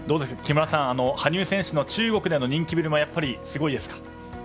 木村さん羽生選手の中国での人気ぶりはやっぱりすごいですか？